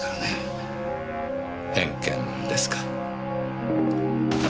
偏見ですか。